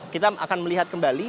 kita akan melihat kembali